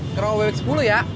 ke rumah wbx sepuluh ya